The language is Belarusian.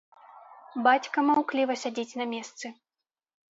Бацька маўкліва сядзіць на месцы.